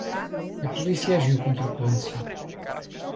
A polícia agiu com truculência